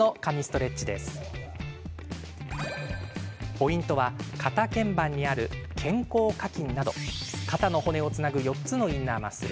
ポイントは、肩けん板にある肩甲下筋など肩の骨をつなぐ４つのインナーマッスル。